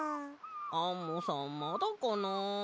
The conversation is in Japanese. アンモさんまだかな。